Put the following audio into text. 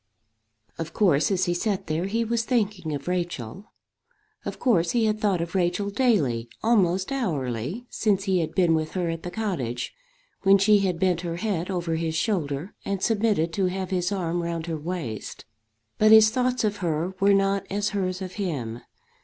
Of course as he sat there he was thinking of Rachel. Of course he had thought of Rachel daily, almost hourly, since he had been with her at the cottage, when she had bent her head over his shoulder, and submitted to have his arm round her waist. But his thoughts of her were not as hers of him.